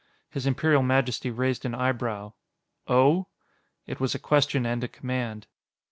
His Imperial Majesty raised an eyebrow. "Oh?" It was a question and a command.